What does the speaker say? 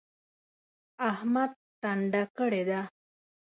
احمد ټنډه کړې ده.